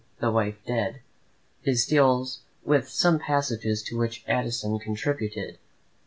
"The Wife Dead," is Steele's, with some passages to which Addison contributed.